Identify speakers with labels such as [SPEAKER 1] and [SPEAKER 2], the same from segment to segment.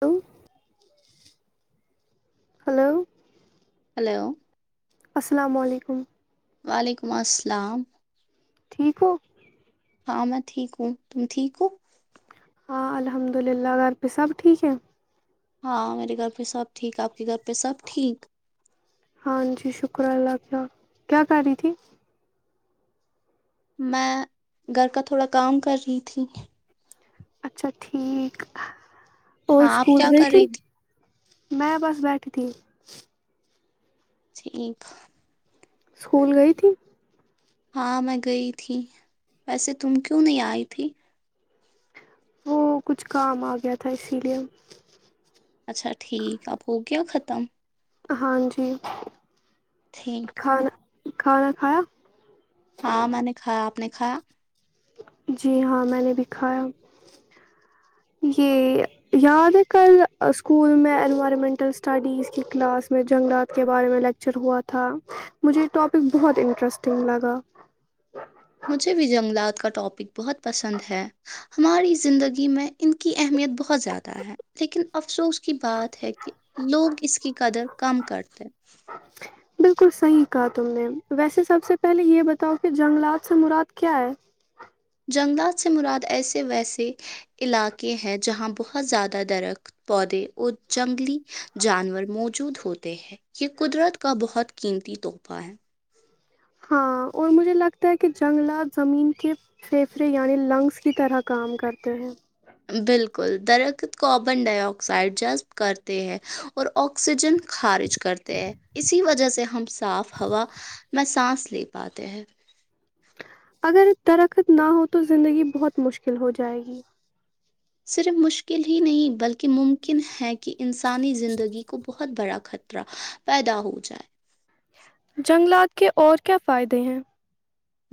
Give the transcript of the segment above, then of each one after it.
[SPEAKER 1] لو hello
[SPEAKER 2] hello
[SPEAKER 1] السلام علیکم
[SPEAKER 2] وعلیکم السلام
[SPEAKER 1] ٹھیک ہو
[SPEAKER 2] ہاں میں ٹھیک ہوں تم ٹھیک ہو
[SPEAKER 1] ہاں الحمد للہ غھر پہ سب ٹھیک ہیں
[SPEAKER 2] ہاں میرے گھر پہ سب ٹھیک آپ کے گھر پہ سب ٹھیک
[SPEAKER 1] ہاں جی شکر اللہ کا کیا کر رہی تھی
[SPEAKER 2] میں گھر کا تھوڑا کام کر رہی تھی
[SPEAKER 1] اچھا ٹھیک اور
[SPEAKER 2] ہاں آپ
[SPEAKER 1] اسکول
[SPEAKER 2] کیا
[SPEAKER 1] گئی
[SPEAKER 2] کر رہی تھی
[SPEAKER 1] میں بس بیٹھی تھی
[SPEAKER 2] ٹھیک
[SPEAKER 1] اسکول گئی تھی
[SPEAKER 2] ہاں میں گئی تھی ویسے تم کیوں نہیں آئی تھی
[SPEAKER 1] وہ کچھ کام آ گیا تھا اسی لیے
[SPEAKER 2] اچھا ٹھیک اب ہو گیا ختم
[SPEAKER 1] ہاں جی
[SPEAKER 2] ٹھیک
[SPEAKER 1] کھانا کھانا کھایا
[SPEAKER 2] ہاں میں نے کھایا آپ نے کھایا
[SPEAKER 1] جی ہاں میں نے بھی کھایا یہ یاد ہے کل اسکول میں انوائرمنٹل اسٹڈیز کی کلاس میں جنگلات کے بارے میں لیکچر ہوا تھا مجھے ٹاپک بہت انٹرسٹنگ لگا
[SPEAKER 2] مجھے بھی جنگلات کا ٹاپک [unintelligible] بہت پسند ہے [inaudible] ہماری زندگی میں ان کی اہمیت بہت زیادہ ہے لیکن افسوس کی بات ہے کہ لوگ اس کی قدر کم کرتے
[SPEAKER 1] بالکل صحیح کہا تم نے ویسے سب سے پہلے یہ بتاؤ کہ جنگلات سے مراد کیا ہے
[SPEAKER 2] جنگلات سے مراد ایسے ویسے علاقے ہیں جہاں بہت زیادہ درخت پودے اور جنگلی [unintelligible] جانور موجود ہوتے ہیں یہ قدرت کا بہت قیمتی تحفہ ہے
[SPEAKER 1] ہاں اور مجھے لگتا ہے کہ جنگلات زمین کے پھیپھڑے یعنی لنگس کی طرح کام کرتے ہیں
[SPEAKER 2] بالکل درخت کاربن ڈائی آکسائڈ جذب کرتے ہیں اور آکسیجن خارج کر کرتے ہیں اسی وجہ سے سے ہم صاف ہوا میں سانس لے پاتے ہیں
[SPEAKER 1] اگر درخت نہ ہو تو زندگی بہت مشکل ہو جائے گی
[SPEAKER 2] صرف مشکل نہیں ہی نہیں بلکہ ممکن ہے کہ انسانی زندگی کو بہت برا خطرہ پیدا ہو جائے
[SPEAKER 1] جنگلات کے اور کیا فائدے ہیں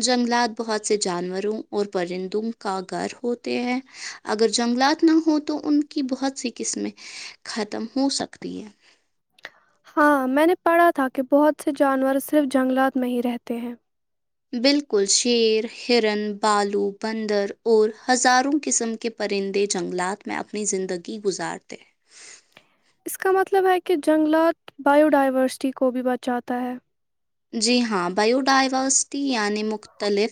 [SPEAKER 2] جنگلات بہت سے جانوروں اور پرندوں کا گھر ہوتے ہیں اگر جنگلات نہ ہوں تو ان کی بہت سی قسمیں ختم ہوسکتی ہیں
[SPEAKER 1] ہاں میں نے پڑھا تھا کہ بہت سے جانور صرف جنگلات میں ہی رہتے ہیں
[SPEAKER 2] بالکل شیر ہرن بالو بندر اور ہزاروں قسم کے پرندے جنگلات میں اپنی زندگی گزارتے ہیں
[SPEAKER 1] اس کا مطلب ہے کہ جنگلات بائییو ڈائیورسٹی کو بھی بچاتا ہے
[SPEAKER 2] جی ہاں بایو ڈائیورسٹی یعنی مختلف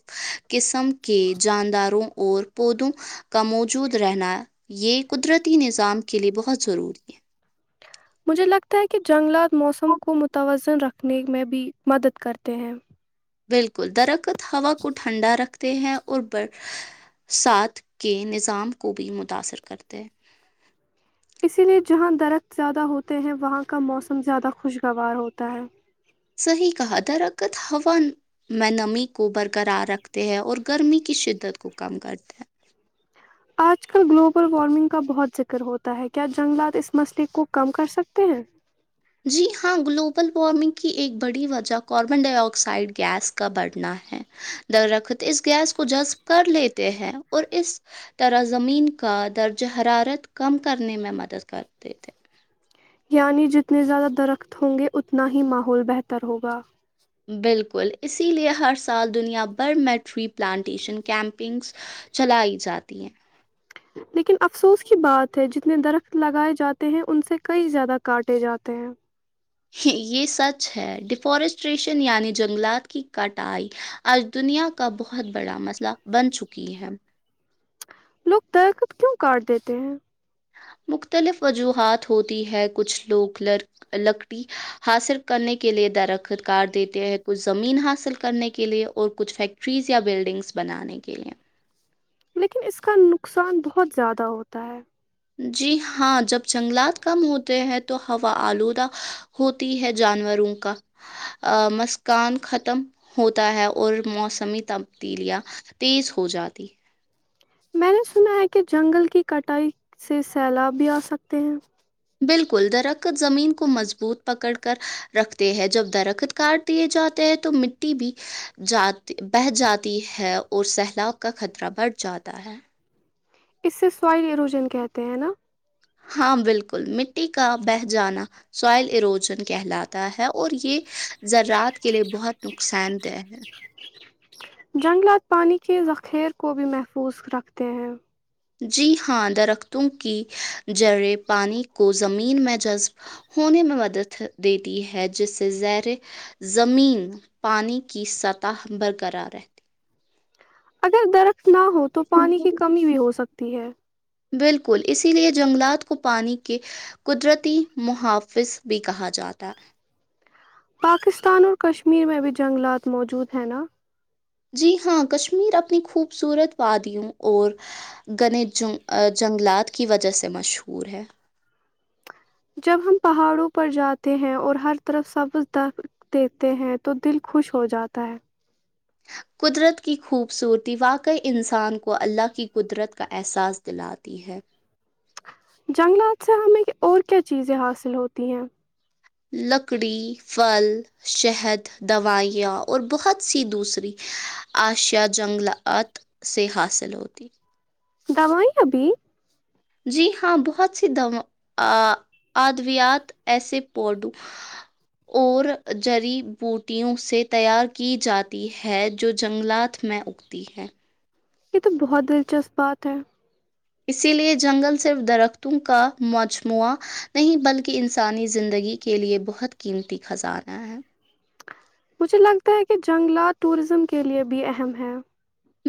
[SPEAKER 2] قسم کے جانداروں اور پودوں کا موجود رہنا یہ قدرتی نظام کے لئے بہت ضروری ہے
[SPEAKER 1] مجھے لگتا ہے کہ جنگلات موسم کو
[SPEAKER 2] ہے
[SPEAKER 1] متوازن رکھنے میں بھی مدد کرتے ہیں
[SPEAKER 2] بالکل درخت ہوا کو ٹھنڈا رکھتے ہیں اور برسات کے نظام کو بھی متاثر کرتے ہیں
[SPEAKER 1] اسی لیے جہاں درخت زیادہ ہوتے ہیں وہاں کا موسم زیادہ خوشگوار ہوتا ہے
[SPEAKER 2] صحیح کہا درکت ہوا میں نمی کو برقرار رکھتے ہیں اور گرمی کی شدت کو کم کرتے ہیں
[SPEAKER 1] آج کل گلوبل وارمنگ کا بہت ذکر ہوتا ہے کیا جنگلات اس مسئلے کو کم کر سکتے ہیں
[SPEAKER 2] جی ہاں گلوبل وارمنگ کی ایک بڑی وجہ کاربن ڈائی آکسائڈ گیس کا بڑھنا ہے در ر اس گیس کو جذب کر لیتے ہیں اور اس طرح زمین کا درجہ حرارت کم کرنے میں مدد کرتے تھے
[SPEAKER 1] یعنی جتنے زیادہ درخت ہوں گے اتنا ہی ماحول بہتر ہوگا
[SPEAKER 2] بالکل اسی لیے ہر سال دنیا بھر میں ٹری پلانٹیشن کیمپنگس چلائی جاتی ہیں
[SPEAKER 1] لیکن افسوس کی بات ہے جتنے درخت لگائے جاتے ہیں ان سے کئی زیادہ کاٹے جاتے ہیں
[SPEAKER 2] یہ سچ ہے ڈیفارسٹریشن یعنی جنگلات کی کٹائی آج دنیا کا بہت بڑا مسئلہ بن چکی ہے
[SPEAKER 1] لوگ در کب کیوں کاٹ دیتے ہیں
[SPEAKER 2] مختلف وجوہات ہوتی ہے کچھ لوگ لکڑی حاصل کرنے کے لئے درخت کار دیتے ہیں کچھ زمین حاصل کرنے کے لئے اور کچھ فیکٹریز یا بلڈنگس بنانے کے لئے
[SPEAKER 1] لیکن اس کا نقصان بہت زیادہ ہوتا ہے
[SPEAKER 2] جی ہاں جب جنگلات کم ہوتے ہیں تو ہوا آلودہ ہوتی ہے جانوروں کا مسکان ختم ہوتا ہے اور موسمی تبدیلیاں تیز ہو جاتی
[SPEAKER 1] میں نے سنا ہے کہ جنگل کی کٹائی سے سیلاب بھی آ سکتے ہیں
[SPEAKER 2] بالکل درخت زمین کو مضبوط پکڑ کر رکھتے ہے جب درخت کاٹ دیے جاتے ہیں تو مٹی بھی جات بہ جاتی ہے اور سیلاب کا خطرہ بڑھ جاتا ہے
[SPEAKER 1] اس سے سوائل ایروجن کہتے ہیں نا
[SPEAKER 2] ہاں بالکل مٹی کا بہ جانا سوائل ایروجن کہلاتا ہے اور یہ زذراات کے لیے بہت نقصان دہ ہے
[SPEAKER 1] جنگلات پانی کے ذخیر کو بھی محفوظ رکھتے ہیں
[SPEAKER 2] جی ہاں درختوں کی جڑیں پانی کو زمین میں جذب ہونے میں مدد دیتی ہے جس سے زیر زمین پانی کی سطح برقرار رہتی
[SPEAKER 1] ا درخت نہ ہو تو پانی کی کمی بھی ہو سکتی تی ہے
[SPEAKER 2] بالکل اسی لیے جنگلات کو پانی کے قدرتی محافظ بھی کہا جاتا ہے
[SPEAKER 1] پاکستان اور کشمیر میں ابھی جنگلات موجود ہیں نا
[SPEAKER 2] جی ہاں کشمیر اپنی خوبصورت وادیوں اور گنےت جنگلات کی وجہ سے مشہور ہے
[SPEAKER 1] جب ہم پہاڑوں پر جاتے ہیں اور ہر طرف سبز د دیتے ہیں تو دل خوش ہو جاتا ہے
[SPEAKER 2] قدرت کی خوبصورتی واقعی انسان کو اللہ کی قدرت کا احساس دلاتی ہے
[SPEAKER 1] جنگلات سے ہمیں اور کیا چیزیں حاصل ہوتی ہیں
[SPEAKER 2] لکڑی پھل شہد دوائیاں اور بہت سی دوسری اشیاء جنگلات سے حاصل ہوتی
[SPEAKER 1] دام ہی ہبی
[SPEAKER 2] جی ہاں بہت سی د ادویات ایسے پڈوں اور جریی بوٹیوں سے تیار کی جاتی ہے جو جنگلات میں اگتی ہے
[SPEAKER 1] یہ تو بہت دلچسپ بات ہے
[SPEAKER 2] اسی لے جنگل صرف درختوں کا مجموعہ نہیں بلکہ انسانی زندگی کے لیئے بہت قیمتی خزانہ ہے
[SPEAKER 1] مجھے لگتا ہے کہ جنگلات ٹوریزم کے لیے بھی اہم ہے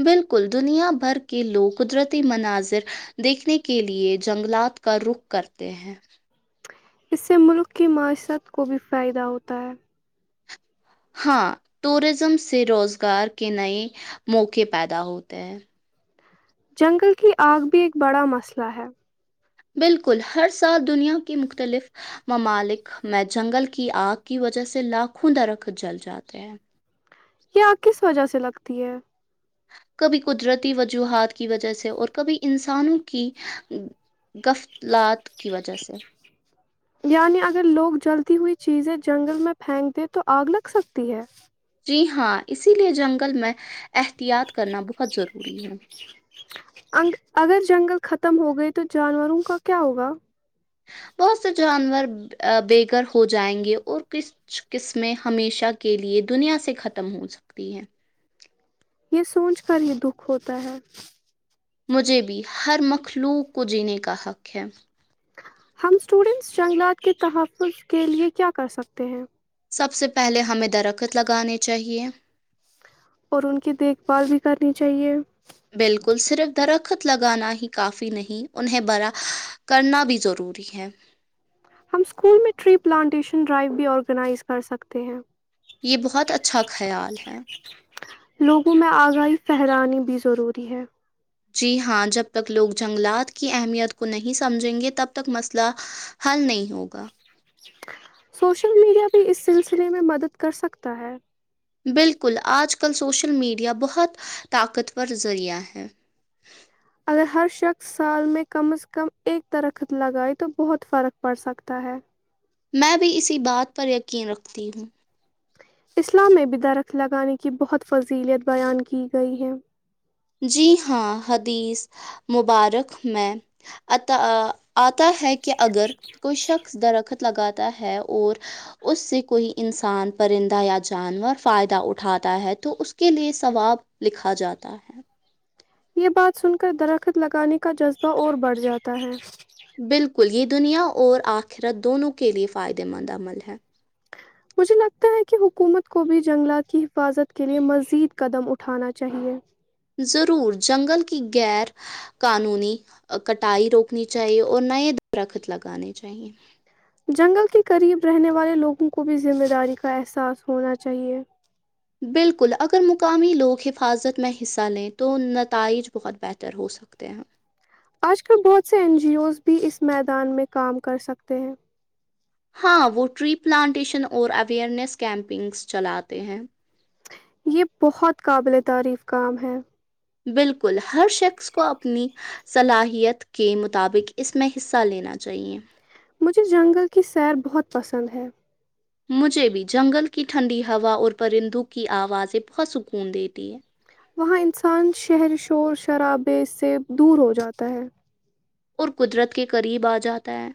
[SPEAKER 2] بالکل دنیا بھر کے لوگ قدرتی مناظر دیکھنے کے لیئے جنگلات کا رخ کرتے ہیں
[SPEAKER 1] اس سے ملک کی معیشرت کو بھی فائدہ ہوتا ہے
[SPEAKER 2] ہاں ٹوریزم سے روزگار کے نئے موقع پیدا ہوتے ہیں
[SPEAKER 1] جنگل کی آگ بھی ایک بڑا مسئلہ ہے
[SPEAKER 2] بالکل ہر سال دنیا کے مختلف ممالک میں جنگل کی آگ کی وجہ سے لاکھوں درخت جل جاتے ہیں
[SPEAKER 1] یہ آ کس وجہ سے لگتی ہے
[SPEAKER 2] کبھی قدرتی وجوہات کی وجہ سے اور کبھی انسانوں کی غفتلات کی وجہ سے
[SPEAKER 1] یعنی اگر لوگ جلتی ہوئی چیزیں جنگل میں پھینک دیں تو آگ لگ سکتی ہے
[SPEAKER 2] جی ہاں اسی لیے جنگل میں احتیاط کرنا بہت ضروری ہے
[SPEAKER 1] انگ- اگر جنگل ختم ہو گئی تو جانوروں کا کیا ہوگا
[SPEAKER 2] بہت سے جانور بے گھر ہو جائیں گے اور کچھ قسمیں ہمیشہ کے لئے دنیا سے ختم ہو سکتی ہیں
[SPEAKER 1] یہ سوچ کر ہی دکھ ہوتا ہے
[SPEAKER 2] مجھے بھی ہر مخلوق کو جینے کا حق ہے
[SPEAKER 1] ہم اسٹوڈنٹس جنگلات کے تحفظ کے لیے کیا کر سکتے ہیں
[SPEAKER 2] سب سے پہلے ہمیں درخت لگانے چاہیے
[SPEAKER 1] اور ان کی دیکھ بھال بھی کرنی چاہیے
[SPEAKER 2] بالکل صرف درخت لگانا ہی کافی نہیں انہیں برا کرنا بھی ضروری ہے
[SPEAKER 1] ہم اسکول میں ٹری پلانٹیشن ڈرائیو بھی آرگنائز کر سکتے ہیں
[SPEAKER 2] یہ بہت اچھا خیال ہے
[SPEAKER 1] لوگوں میں آگاہی پھیلانے بھی ضروری ہے
[SPEAKER 2] جی ہاں جب تک لوگ جنگلات کی اہمیت کو نہیں سمجھیں گے تب تک مسئلہ حل نہیں ہوگا
[SPEAKER 1] سوشل میڈیا بھی اس سلسلے میں مدد کر سکتا ہے
[SPEAKER 2] بالکل آج کل سوشل میڈیا بہت طاقتور ذریعہ ہے
[SPEAKER 1] اگر ہر شخص سال میں کم از کم ایک درخت لگائے تو بہت فرق پڑ سکتا ہے
[SPEAKER 2] میں بھی اسی بات پر یقین رکھتی ہوں
[SPEAKER 1] اسلام میں بھی درخت لگانے کی بہت فضیلیت بیان کی گئی ہے
[SPEAKER 2] جی ہاں حدیث مبارک میں اط آتا ہے کہ اگر کوئی شخص درخت لگاتا ہے اور اس سے کوئی انسان پرندہ یا جانور فائدہ اٹھاتا ہے تو اس کے لیے ثواب لکھا جاتا ہے
[SPEAKER 1] یہ بات سن کر درخت لگانے کا جذبہ اور بڑھ جاتا ہے
[SPEAKER 2] بالکل یہ دنیا اور آخرت دونوں کے لیے فائدے مند عمل ہے
[SPEAKER 1] مجھے لگتا ہے کہ حکومت کو بھی جنگلات کی حفاظت کے لیے مزید قدم اٹھانا چاہیے
[SPEAKER 2] ضرور جنگل کی غیر قانونی کٹائی روکنی چاہیے اور نئے د درخت لگانے چاہیے
[SPEAKER 1] جنگل کے قریب رہنے والے لوگوں کو بھی ذمہ داری کا احساس ہونا چاہیے
[SPEAKER 2] بالکل اگر مقامی لوگ حفاظت میں حصہ لیں تو نتائج بہت بہتر ہوسکتے ہیں
[SPEAKER 1] آج کل بہت سے این جی اوز بھی اس میدان میں کام کر سکتے ہیں
[SPEAKER 2] ہاں وہ ٹری پلانٹیشن اور اویئرنیس کیمپنگس چلاتے ہیں
[SPEAKER 1] یہ بہت قابل تعریف کام ہے
[SPEAKER 2] بالکل ہر شخص کو اپنی صلاحیت کے مطابق اس میں حصہ لینا چاہیئے
[SPEAKER 1] مجھے جنگل کی سیر بہت پسند ہے
[SPEAKER 2] مجھے بھی جنگل کی ٹھنڈی ہوا اور پرندوں کی آوازیں بہت سکون دیتی ہے
[SPEAKER 1] وہاں انسان شہر شور شرابے سے دور ہو جاتا ہے
[SPEAKER 2] اور قدرت کے قریب آ جاتا ہے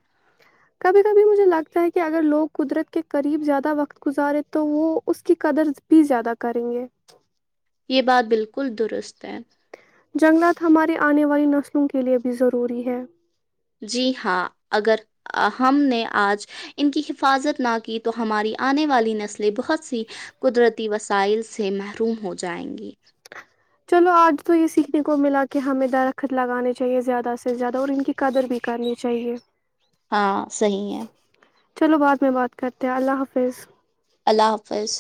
[SPEAKER 1] کبھی کبھی مجھے لگتا ہے کہ اگر لوگ قدرت کے قریب زیادہ وقت گزارے تو وہ اس کی قدر بھی زیادہ کریں گے
[SPEAKER 2] یہ بات بالکل درست ہے
[SPEAKER 1] جنگلات ہمارے آنے والی نسلوں کے لیے بھی ضروری ہے
[SPEAKER 2] جی ہاں اگر ہم نے آج ان کی حفاظت نہ کی تو ہماری آنے والی نسلیں بہت سی قدرتی وسائل سے محروم ہو جائیں گی
[SPEAKER 1] چلو آج تو یہ سیکھنے کو ملا کہ ہمیں درخت لگانے چاہیے زیادہ سے زیادہ اور ان کی قدر بھی کرنی چاہیے
[SPEAKER 2] ہاں صحیح ہے
[SPEAKER 1] چلو بعد میں بات کرتے ہیں اللہ حافظ
[SPEAKER 2] اللہ حافظ